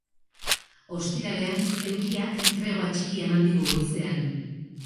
Ostiralean, euriak tregoa txikia eman digu goizean.